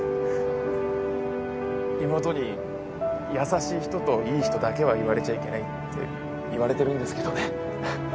妹に優しい人といい人だけは言われちゃいけないって言われてるんですけどね。